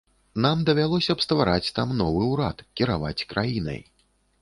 Нам давялося б ствараць там новы ўрад, кіраваць краінай.